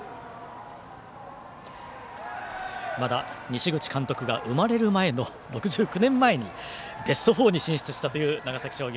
まだ、西口監督が生まれる前の６９年前にベスト４に進出した長崎商業。